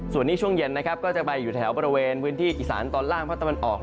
ส่วนนี้ช่วงเย็นนะครับก็จะไปอยู่แถวบริเวณพื้นที่อีสานตอนล่างภาคตะวันออก